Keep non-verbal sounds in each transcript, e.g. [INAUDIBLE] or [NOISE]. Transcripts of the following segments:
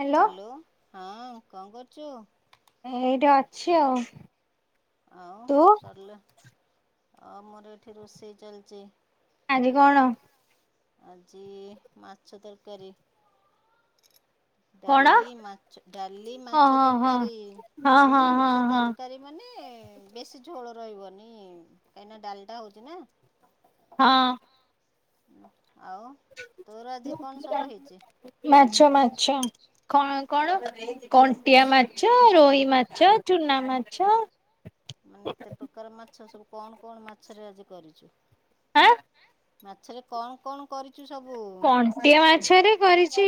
Hello hello ହଁ କଣ କରୁଛୁ? ଏଇଠି ଅଛି ଆଉ। ଆଉ ତୁ ସରିଲା ଆମର ଏଠି ରୋଷେଇ ଚାଲିଛି। ଆଜି କଣ? ଆଜି ମାଛ ତରକାରୀ। କଣ? ଡାଲି ମାଛ ଡାଲି ହଁ ମାଛ ହଁ ହଁ ତରକାରୀ ମାନେ ହଁ ହଁ ମାଛ ହଁ ହଁ ତରକାରୀ। ମାନେ ବେଶୀ ଝୋଳ ରହିବନି କାହିଁକିନା ଡାଲିଟା ହଉଛି ନା। ହଁ। ହୁଁ ଆଉ ତୋର ଆଜି କଣ ସବୁ ହେଇଛି? ମାଛ ମାଛ କଣ କଣ? କଣ୍ଟିଆ ମାଛ ରୋହି ମାଛ ଚୁନା ମାଛ ମାନେ ଏତେ ପ୍ରକାର ମାଛ ସବୁ କଣ କଣ ମାଛରେ ଆଜି କରିଛୁ? ଆଁ? ମାଛରେ କଣ କଣ କରିଚୁ ସବୁ? କଣ୍ଟିଆ ମାଛରେ କରିଛି-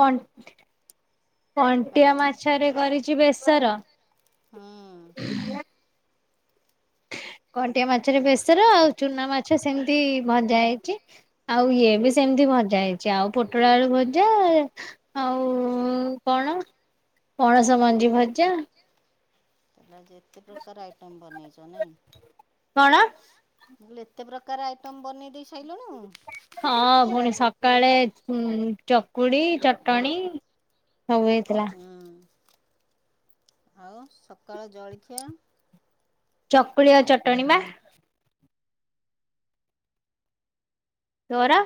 କଣ୍ଟ-କଣ୍ଟିଆ ହ୍ୟାଲୋ ମାଛରେ କରିଛି ବେସର। ହଁ। କଣ୍ଟିଆ ମାଛରେ ବେସର ଆଉ ଚୁନା ମାଛ ସେମିତି ଭଜା ହେଇଛି ଆଉ ଇଏ ବି ସେମିତି ଭଜା ହେଇଛି ଆଉ ପୋଟଳ ଆଳୁ ଭଜା ଆଉ କଣ ପଣସ ମଞ୍ଜି ଭଜା। ତାଆଲେ ଆଜି ଏତେ ପ୍ରକାର ଆଇଟମ୍ ବନେଇଚ ନାଇଁ। କଣ? ଏତେ ପ୍ରକାର ଆଇଟମ ବନେଇ ଦେଇେଇ ସାରିଲୁଣିୁ? ହଁ ପୁଣି ସକାଳେ ଚକୁଡି ଚଟଣିୀ ସବୁ ହେଇଥିଲା ହୁଁ ଆଉ ସକାଳ ଜଳଖିଆ? ଚକୁଳିଆ ଚଟଣି ବା। ତୋର?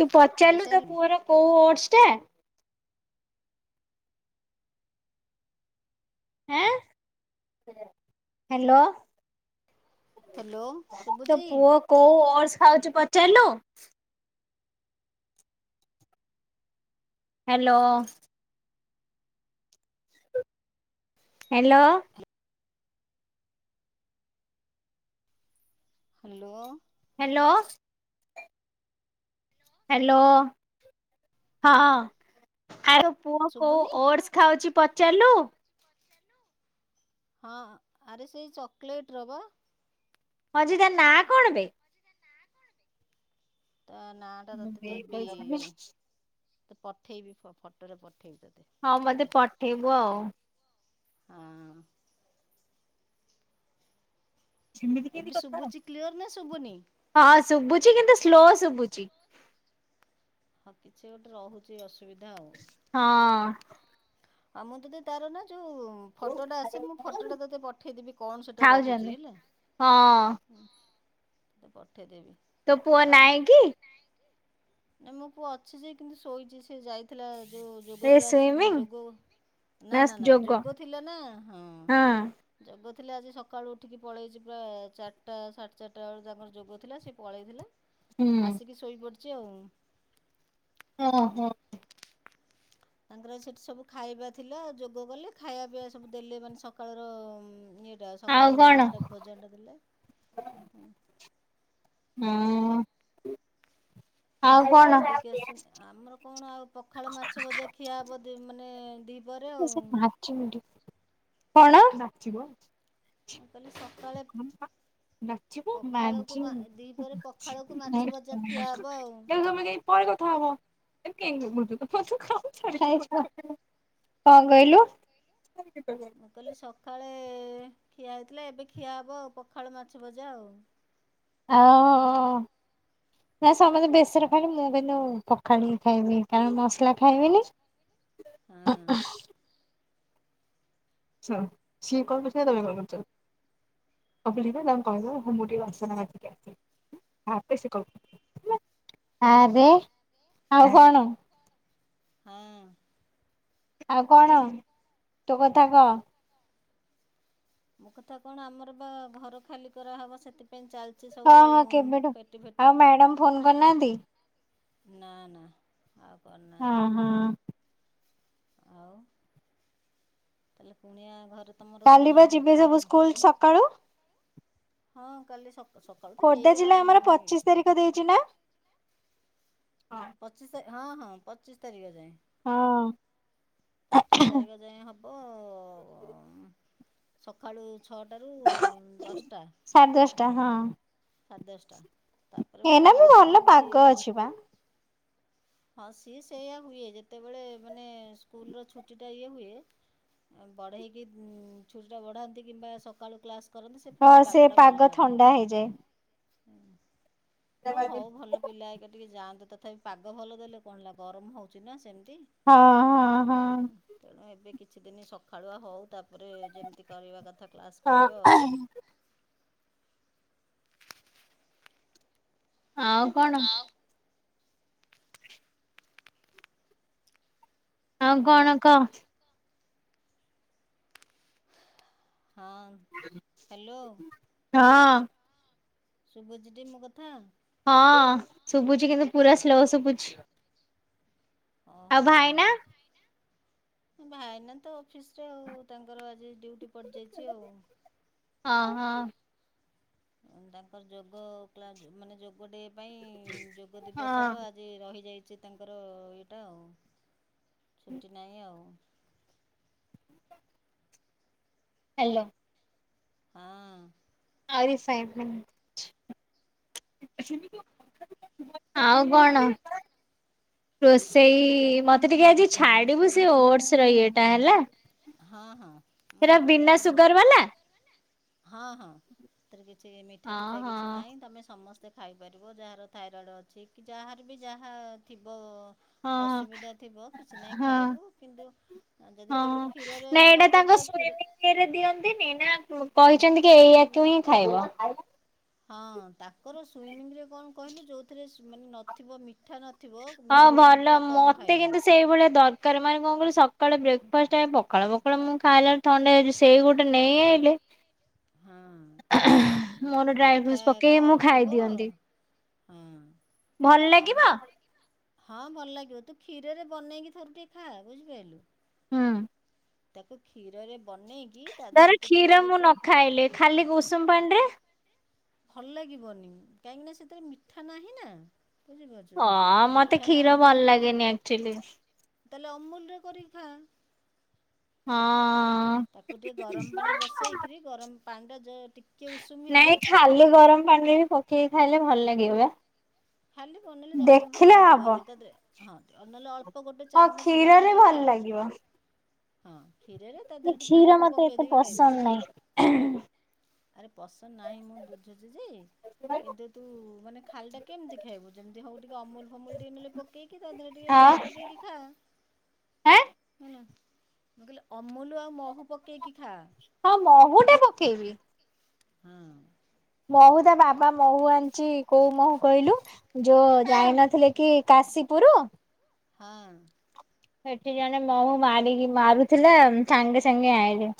ତୁ ଆଉ ପଚାରିଲୁ ତ ଖାଇସାରିଲୁଣି ପୁଅର କୋଉ ଓଡସ ଟା? ଆଁ ହ୍ୟାଲୋ। ହ୍ୟାଲୋ ତୋ ଶୁଭୁଚି? ପୁଅ କୋଉ ଅର୍ ଖାଉଛି ପଚାରିଲୁ? Hello. Hello. Hello. Hello. Hello. Hello ହଁ। ଆଉ ପୁଅ କୋଉ ଶୁଭୁନି ଓଟସ ଖାଉଛି ପଚାରିଲୁ? ହଁ ଆରେ ସେଇ ଚକୋଲେଟ ର ବା। ହଁଜି ତା ନାଁ କଣ ବେ? ତା ନା ଟା ତତେ ଦେବି ତ ପଠେଇବି ଫଟୋରେ ପଠେଇବି ତୋତେ ହଁ ମତେ ରହିଥା ପଠେଇବୁ ଆଉ। ଆଁ। ଏବେ ଶୁଭୁଛି କ୍ଲିଅର ନା ଶୁଭୁନି? ହଁ ଶୁଭୁଛି କିନ୍ତୁ ସ୍ଲୋ ଶୁଭୁଛି। ହଁ କିଛି ଗୋଟେ ରହୁଛି ଅସୁବିଧା ଆଉ। ହଁ। ଆଉ ମୁଁ ତ ତାର ନା ଯୋଉ ଫଟୋଟା ଆସେ ମୁଁ ଫଟୋଟା ତୋତେ ପଠେଇଦେବି କଣ ସେଟା ଖାଉଛନ୍ତି ରହୁଛି ହେଲା। ହଁ। ହୁଁ ମତେ ପଠେଇଦେବି। ତୋ ପୁଅ ଆଉ ନାହିଁ କି? ନା ମୁୋ ପୁଅ ଅଛି ଯେ କିନ୍ତୁ ଶୋଇଛି ସେ ଯାଇଥିଲା ଯୋଉ ଯୋଗ ଏ କ୍ଲାସ ସୁଇମିଂ ଯୋଗ ନା ନା ନା ଯୋଗ ଥିଲା ନା ହଁ। ଯୋଗ ଥିଲେ ଆଜି ସକାଳୁ ଉଠିକି ପଳେଇଛି ପ୍ରାୟ ଚାରିଟା ସାଢ଼େ ଚାରିଟା ବେଳଳେ ତାଙ୍କର ଯୋଗ ଥିଲା ସେ ପଳେଇଥିଲା ହୁଁ। ଆସିକି ଶୋଇପଡ଼ିଛି ଆଉ। ହଁ ହଁ। ତାଙ୍କର ସେଠି ସବୁ ଖାଇବା ଥିଲା ଯୋଗ କଲେ ଖାଇବା ପିଇବା ସବୁ ଦେଲେ ମାନେ ସକାଳର ଆଉ ସକାଳ କଣ ଭୋଜନଟା ଭୋଜନଟା ଦେଲେ। ହୁଁ ଆଉ ସେ ଖାଇ କଣ ଦେଇକି ଆସିଛନ୍ତି ଆମର କଣ ଆଉ ପଖାଳ ମାଛ ବଜା ଖିଆ ହେବ ମାନେ ଦ ନାଚିବ କଣ ନା ମୁଁ କହିଲଲି ସକାଳେ ନାଚିବୁ ତମେ ପଖାଳକୁ ଯାଇ ମା ଦିପହରେ ପଖାଳକୁ ମାଛ ଭଜା ଖିଆ ହେବ ଆଉ ପରେ କଥା ହବ କେ କଣ କହିଲୁ ମୁଁ କହିଲି ସକାଳେ ଖିଆ ହେଇଥିଲା ଏବେ ଖିଆ ହେବ ଆଉ ପଖାଳ ମାଛ ଭଜା ଆଉ ହଉ ନା ସମସ୍ତେ ବେେଶରେ ଖାଇଲେ ମୁଁ କିନ୍ତୁ ପଖାଣିକି ଖାଇବି କାରଣ ମସଲା ଖାଇବିନି ହଁ ଅ ଆଛା ସିଏ କଲ କରିଚି ନା ତମେ କଲ କରିଛ। ଅଭିଲିକା ତାଙ୍କୁ କହିଦବ ମୁଁ ମୁଁଟିକେ ବାସନା ମାଜିକି ଆସେ। ଆରେ ଆଉ କଣ? ହଁ ଆଉ କଣ ତୋ କଥା କହ। ମୋ କଥା କଣ ଆମର ବା ଘର ଖାଲି କରାହେବ ସେଥିପାଇଁ ସେଥି ପାଇଁ ଚାଲିଛି ସବୁ ହଁ ହଁ କେବେଠୁ ପେଟି ଆଉ ଫେଟି ମ୍ୟାଡାମ ଫୋନ କରିନାହାନ୍ତି ନା ନା ଆଉ କରି ହଁ ନାହାନ୍ତି। ହଁ ଆଉ ତାହେଲେ କୁଣିଆ ଘରେ ତମର କୁଣିଆ କାଲିିବା ଯିବେ ଭର୍ତ୍ତି ସବୁ ନାହିଁ ସ୍କୁଲ ସକାଳୁ। ହଁ କାଲି ସକା ସକାଳୁ ତ ହେଇଗଲାଣି। ଦେଇଚିନା ପଚିଶ ତାରିଖ ହଁ ହଁ ପଚିଶ ତାରିଖ ଯାଏଁ। ହଁ ପଚିଶ ତାରିଖ ଯାଏ ହବ ସକାଳୁ ଛଅଟାରୁ ଦଶଟା ସାଢେ ଦଶଟା ସାଡେ ଦଶଟା। ତାପରେ ହେଇନା ପୁଣି ବି ବୋଧେ ଭଲ ଯେମିତି ପାଗ ଅଛି ବା। ହଁ ସିଏ ସେଇଆ ହୁଏ ଯେତେବେଳେ ମାନେ ସ୍କୁଲର ଛୁଟି ଟା ଇଏ ହୁଏ। ପଢ଼େଇକି ଛୁଟିଟା ବଢ଼ାନ୍ତି କିମ୍ବା ସକାଳୁ କ୍ଲାସ୍ କରନ୍ତି ସେ ହଁ ପୁଣି ପାଗଟା ଭଲ ପାଗ ଥଣ୍ଡା ହେଇଯାଏ କରିଦିଏ ହଉ ହଉ ଭଲ ପିଲା ଏକ ଟିକେ ଯାଆନ୍ତୁ ତଥାପି ପାଗ ଭଲ ଦେଲେ କଣ ହେଲା ଗରମ ହଉଛି ନା ସେମିତି। ହଁ ହଁ ହଁ ତେଣୁ ଏବେ କିଛି ଦିନ ସକାଳୁଆ ହେଉ ତାପରେ ଯେମିତି କରିବା କଥା କ୍ଲାସ୍ ହଁ କରିବେ ଆଉ। ଆଉ କଣ? ଆଉ ହ୍ୟାଲୋ କଣ କହ? ହଁ ହ୍ୟାଲୋ ହଁ ଶୁଭୁଚିଟି ମୋ କଥା। ହଁ ଶୁଭୁଛି କିନ୍ତୁ ପୁରା ସ୍ଲୋ ଶୁଭୁଛି। ଓହୋ ଆଉ ଭାଇନା। ଭାଇନା ତ ଅଫିସରେ ଆଉ ତାଙ୍କର ଆଜି ଡ୍ୟୁଟି ପଡ଼ିଯାଇଛି ଆଉ। ହଁ ହଁ ତାଙ୍କର ଯୋଗ କ୍ଲାସ ମାନେ ଯୋଗ ଡେ ପାଇଁ ଯୋଗ ହଁ ଦିବସର ଆଜି ରହିଯାଇଛି ତାଙ୍କର ଇଏଟା ଆଉ ଛୁଟି ନାହିଁ ଆଉ। ହ୍ୟାଲୋ ହଁ ଆରେ ସାଇ ଆଉ କଣ? ରୋଷେଇ ମତେ ଟିକେ ଆଜି ଛାଡିବୁ ସେ ଓଟସର ଇଏ ଟା ହେଲା। ହଁ ହଁ। ମୁଁ ସେଇଟା ଟିକେ ବିନା ଆଜି ମୋ ସୁଗାର ବାଲା। ହଁ ହଁ ସେଥିରେ କିଛି ମିଠା ହଁ ଫିଠା ହଁ କିଛି ନାହିଁ ତମେ ସମସ୍ତେ ସେ ଖାଇପାରିବ ଯାହାର ଥାଇରଏଡ଼୍ ଅଛି କି ଯାହାର ବି ଯାହା ଥିବ ହଁ ଅସୁବିଧା ଥିବ କିଛି ନାହିଁ ହଁ ଖାଇବୁ କିନ୍ତୁ ଯଦି ତାକୁ ହଁ କ୍ଷୀରରେ ନା ମୋ ଏଇଟା ପୁଅ ତାଙ୍କ ତ କ୍ଷୀର ଦିଅନ୍ତିନି ନା କହିଛନ୍ତି କି ଏଇଆାକୁ ହିଁ ଖାଇବ। ହଁ ତାଙ୍କର ସୁଇମିଂ ରେ କଣ କହିଲୁ ଯୋଉଥିରେ ମାନେ ନଥିବ ମିଠା ନ ହଁ ଭଲ ମତେ କିନ୍ତୁ ସେଇଭଳିଆ ଦର ଦକାର ମାନ କଣ କହିଲୁ ସକାଳେ ବ୍ରେକଫାଷ୍ଟ ହିଁ ପଖାଳ ପଖା ମୁଁ ଖାଇଲା ଆଳୁକୁ ଥଣ୍ଡା ହେଇଯାଉଛି ସେଇ ଗୋଟେ ନେଇ ଆଇଲେ [INAUDIBLE] ହଁ ମୋର ଡ୍ରାଇ ଫ୍ରୁଟସ୍ ମିଠା ପକେଇ ମୁଁ କମ୍ ଖାଇ ଥିବ। ଦିଅନ୍ତି ହୁଁ ଭଲ କମ ଲାଗିବ ମିଠା। ଭଲ ଲାଗିବ? ହଁ ଭଲ ଲାଗିବ ତୁ କ୍ଷୀରରେ ବନେଇକି ଥରେ ଟିକେ ଖା ବୁଝିପାରିଲୁ। ହୁଁ। ତାକୁ କ୍ଷୀରରେ ବନେଇ ଧର କ୍ଷୀର ମୁଁ ନ ଖାଇଲେ ଖାଲି ଉଷୁମ ପାଣି ରେ ଭଲ ଲାଗିବନି କାହିଁକି ନା ସେଥିରେ ମିଠା ନାହିଁ ନା। ବୁଝିପାରୁଛୁ ମିଠା ନାହିଁ ଯେହେତୁ ନିଆ ଚିଲି ତାହେଲେ ଅମୁଲ ରେ କରିକି ଖା? ହଁ ତାକୁ ଟିକେ ଗରମ ପାଣି ବସେଇକରି ଗରମ ପାଣିଟା ଯେଉ ଟି ନାଇଁ ଖାଲି ଗରମ ପାଣିରେ ବି ପକେଇକି ଖାଇଲେ ଭଲ ଲାଗିବ ଖାଲି ବାନେଇଲେ ଜମା ବି ଭଲ ଦେଖିଲେ ହବ। ଲାଗିବନି ତତେ? ହଁ ନହେଲେ ଅଳ୍ପ ଗୋଟେ ହଁ ଚାମଚ କ୍ଷୀରରେ ବନେଇକି ଭଲ ଖାଆ। ଲାଗିବ ହଁ କ୍ଷୀରରେ ତା ଦେହରେ ଟିକେ କ୍ଷୀର ମହୁ ମତେ ପକେଇ ଏତେ ଦେଇଦେଇକି ଖାଇବୁ। ପସନ୍ଦ ନାହିଁ। ଆରେ ପସନ୍ଦ ନାହିଁ ମୁଁ ବୁଝୁଛି ଯେ କିନ୍ତୁ ତୁ ମାନେ ଖାଲିଟା କେମିତି ଖାଇବୁ ଯେମିତି ହଉ ଟିକେ ଅମୁଲ ଫମୁଲ ଟିକେ ନହଲେ ପକେଇକି ତାଦେହରେ ଟିକେ ଆଉ ମହୁ ପକେଇକି ଖା। ଆଁ ହେଲା ମୁଁ କହିଲି ଅମୁଲ ଆଉ ମହୁ ପକାଇକି ଖା। ହଁ ମହୁଟା ପ ଥିଭିି। ହଁ। ମହୁ ତା ବାବା ମହୁ ଆଣିଚି କୋଉ ମହୁଁ କହିଲୁ ଯୋଉ ଯାଇନଥିଲେ କି କାଶୀପୁରୁ। ହଁ। ସେଠି ଜଣେ ମହୁ ମାରିକି ମାରୁଥିଲା ସାଙ୍ଗେ ସାଙ୍ଗେ ଆଇଲେ।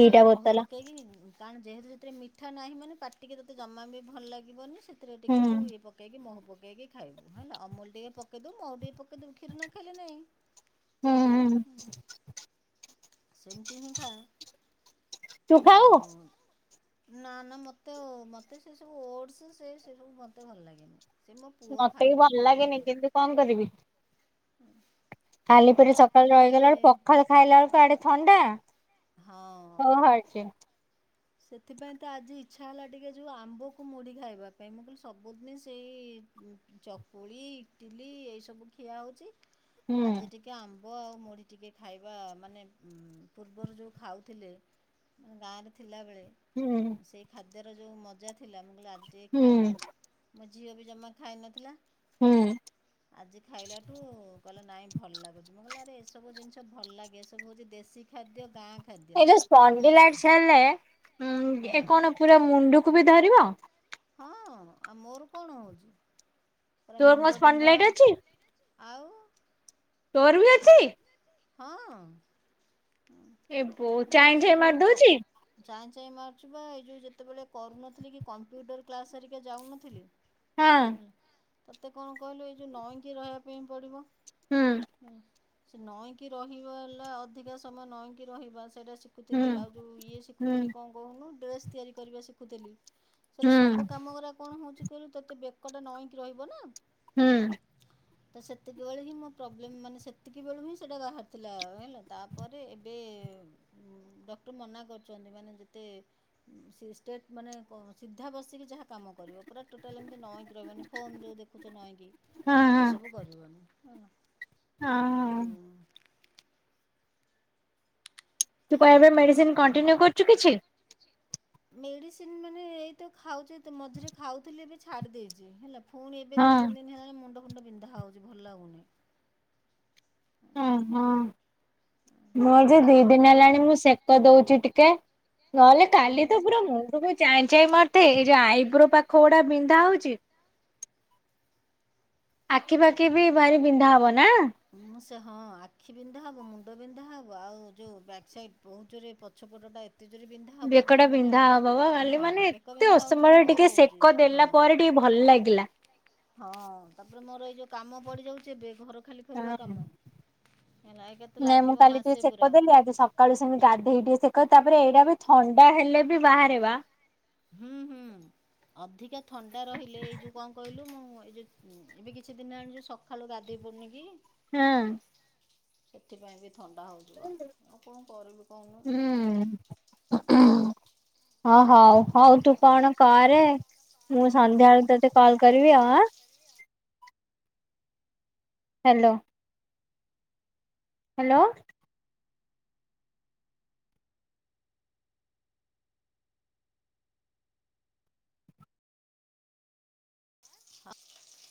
ସେଇ ମହୁ ବୋତଲ ପକେଇକି କାରଣ ଯେହେତୁ ଯେଥିରେ ମିଠା ନାହିଁ ମାନେ ପାଟିକି ତତେ ଜମା ବି ଭଲ ଲାଗିବନି ସେଥିରେ ହୁଁ ଟିକେ ତୁ ଇଏ ପ ପକେଇକି ମହୁ ପକେଇକି ଖାଇବୁ ହେଲା ଅମୁଲୁ ଟିକେ ପକେଇେବ ମଉହୁ ଟିକେ ପକେଇେବୁ କ୍ଷୀର ନ ଖାଇଲି ନାଇଁ। ହୁଁ ହୁଁ। ସେମିତି ହିଁ ଖା ତୁ ଖାଉ ଆଉ ନା ନା ମୋତେ ମୋତେ ସେସବୁ ଓଡ଼ସ୍ ସେ ସେ ସବୁ ମୋତେ ଭଲ ଲାଗେନି। ସେ ମୋ ପୁଅ ମତେ ବି ଖାଏ ଭଲ ଛୋୁ ଲାଗେନି ମେଙ୍ଗ କିନ୍ତୁ କଣ କରିବି। ଖାଲି ମୁଁ ପେଟରେ ସକାଳୁ ରାତିରେ ରହିଗଲା ବେଳେ ପଖାଳ ଖାଇଲା ବେଳକୁ ଆଡେ ଥଣ୍ଡା ହଁ। [UNINTELLIGIBLE] ସେଥିପାଇଁ ତ ଆଜି ଇଚ୍ଛା ହେଲା ଟିକେ ଯେଉ ଆମ୍ବକୁ ମୁଢ଼ି ଖାଇବା ପାଇଁ ମୁଁ କହିଲି ସବୁଦିନ ସେଇ ଚକୁଳି ଇଟିଲି ଏଇସବୁ ଖିଆ ହେଉଛି ହୁଁ ଆଜି ଟି କେ ଆମ୍ବ ଆଉ ମୁଢ଼ି ଟିକେ ଖାଇବା ମାନେ ପୂର୍ବରୁ ଯେଉଁ ଖାଉଥିଲେ। ଗାଁରେ ଥିଲାବେଳେ। ହୁଁ। ସେଇ ଖାଦ୍ୟର ଯେଉଁ ମଜା ଥିଲା ମୁଁ କହିଲି ଆଜି ଟିକେ ହୁଁ ଖାଇବା ମୋ ଝିଅ ବି ଜମା ଖାଇନଥିଲା। ହୁଁ ଖାଇଲା ଆଜି ଖାଇଲାଠୁ କହିଲା ନାଇଁ ଭଲ ଲାଗୁଛି। ମୁଁ କହିଲ ଆରେ ଏସବୁ ଜିନିଷ ଭଲ ଲାଗେ ଏସବୁ ହଉଛି ଦେଶୀ ଖାଦ୍ୟ ଗାଁ ଏ ଖାଦ୍ୟ ଯୋ ସ୍ପଡି ଲାଇଟସ ହେଲେ ଏ ହଁ କଣ ପୁରା ମୁଣ୍ଡକୁ ବି ଧରିବ? ହଁ, ଆଉ ମୋର କଣ ହଉଛି? ପୁରା ତୋର କଣ ମୁଣ୍ଡ ବିନ୍ଧା ସ୍ପଣ୍ଡିଲାଇଟ ହଉଛି ଅଛି? ଆଉ। ତୋର ବି ଅଛି? ହଁ। ଏବୋ ଚାଇଁଛାଇଁ ମାରିଦଉଛି? ଚାଇଁ ଚାଇଁ ମାରୁଚି ପା, ଏଇ ଯୋଉ ଯେତେବେଳେ କରୁନଥିଲି କି କମ୍ପ୍ୟୁଟର କ୍ଲାସ ହେରିକା ଯାଉନଥିଲି। ହଁ ହେଲା ତତେ କଣ କହିଲୁ ଏଇ ଯୋଉ ନଇକି ରହିବା ପାଇଁ ପଡିବ। ହୁଁ ସେ ନଈକି ରହିବା ହେଲା ଅଧିକା ସମୟ ନଈଁକି ରହିବା ସେଇଟା ସେ ହୁଁ ଶିଖୁଥିଲି ଆଉ ଯେଉଁ ଇଏ ହୁଁ ଶିଖୁଥିଲି କଣ କହୁନୁ ଡ୍ରେସ୍ ତିଆରି କରିବା ଶିଖୁଥିଲି। ସରେ ହୁଁ ସବୁ କାମ କର କଣ ହଉଛି କହିଲୁ ତୋତେ ବେକ ଟା ନଇକି ରହିବ ନା। ହୁଁ। ତ ସେତିକି ବେଳେ ହିଁ ମୋ ପ୍ରୋବ୍ଲେମ ମାନେ ସେତିକି ବେଳୁ ହିଁ ସେଟା ବାହାରିଥିଲା। ହେଲା ତା ପରେ ଏବେ ଡକ୍ଟର ମନା କରୁଛନ୍ତି ମାନେ ଯେତେ ସିଷ୍ଟେଟ୍ ମାନେ ସିଧା ବସିକି ଯାହା କାମ କରିବ ପୁରା ଟୋଟାଲ ଏମିତି ନଇଁକି ପିଲା ମନେ ଫୋନ୍ ଯେଉଁ ଦେଖୁଛ ନହିଁକି ହଁ ହଁ ଏସବୁ କରିବନି ହେଲା। ଆଉ। ହଁ ତୁ କ ୟା ହଁ ପାଇଁ ମେଡିସିନ କଣ୍ଟିନିଉ କରୁଚୁ କିଛି? ମେଡିସିନ ମାନେ ଏଇତ ଖାଉଛି ମଝିରେ ଖାଉଥିଲେ ଏବେ ଛାଡି ଦେଇଛି ହେଲା। ପୁଣି ଏବେ ହଁ ଦି ତିନି ଦିନ ହେଲାଣି ମୁଣ୍ଡ ଫୁଣ୍ଡ ବିନ୍ଧା ହଉଛି ଭଲ ଲାଗୁନି। ହ ହଁ ମୋର ତାପରେ ଯୋଉ ଦି ଥାଇରଏଡ଼୍ ଦିନ ହେଲାଣି ମୁଁ ତ ସେ କ ଦଉଛି ଟିକେ, ନହେଲେ କାଲି ମୁଁ ତ ବି ପୁରା ସେ ମୁଣ୍ଡ ଚାଇଁ ଚାଇଁ ମାତେ ଏଇ ଯଉ ଆଇବ୍ରୋ ପାଖ ଗୁଡା ବିନ୍ଧା ହଉଛି। ଆଖି ପାଖି ବି ଭାରି ବିନ୍ଧା ହବ ନା? ମୁଁ ସେ ହଁ ଆଖି ବିନ୍ଧା ହେବ, ମୁଣ୍ଡ ବିନ୍ଧା ହେବ, ଆଉ ଯଉ ବ୍ୟାକ୍ ସାଇଡ଼୍ ବୋହୁତ ଜୋରେ ପଛପଟା ଏ ଏତେ ଜୋରେ ବିନ୍ଧା ହେବ ଯେ ବେକଟା ମାନେ ବିନ୍ଧା ହବ ବା କାଲି ହଁ ମାନେ ଏତେ ବେକବନ୍ଧା ହେଉଛି ଅସମ୍ଭାଳ ଟିକେ ମୋର ହୋଉଛି। ସେକ ଦେଲା ପରେ ଟିକେ ଭଲ ଲାଗିଲା। ହଁ ତାପରେ ମୋର ଏଇ ଯୋଉ କାମ ପଡି ଯାଉଛି ଏବେ ଘର ଖାଲି କରିବା କାମ ହେଲା ଏ କେତୁ ନାଇଁ ମୁଁ ଲାଗିବ କାଲି ଟିକେ ମାସେ ସେକ ପୁରା। ଦେଲି ଆଜି ସକାଳୁ ସେମି ଗାଧେଇ ଟିକେ ସେ କ ତାପରେ ଏଇଟା ବି ଥଣ୍ଡା ହେଲେ ବି ବାହାରିବା। ହୁଁ ହୁଁ। ଅଧିକା ଥଣ୍ଡା ରହିଲେ ଏଇ ଯୋଉ କଣ କହିଲୁ ମୁଁ ଏଇ ଯଉ ଏବେ କିଛି ଦିନ ହେଲାଣି ଜୋଉ ସକା ଖାଲୁ ଗାଧୋଇ ପଡ଼ନି କି? ହଁ। ସେଥିପାଇଁ ବି ଥଣ୍ଡା ହଉଯିବ, ଆଉ କଣ କରିବି କହୁନୁ? ଉଁ ହୁଁ ହଁ ହଉ ହଉ ତୁ କଣ କରେ? ମୁଁ ସନ୍ଧ୍ୟାବେଳେ ତତେ କଲ୍ କରିବି ଆଉ ଆ। ହ୍ୟାଲୋ। ହ୍ୟାଲୋ।